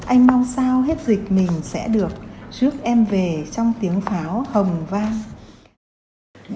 anh mong sao hết dịch mình sẽ được giúp em về trong tiếng pháo hồng vang